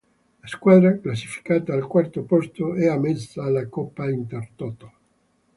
La squadra classificata al quarto posto è ammessa alla Coppa Intertoto.